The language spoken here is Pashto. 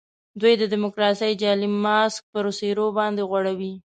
دوی د ډیموکراسۍ جعلي ماسک پر څېرو باندي غوړوي.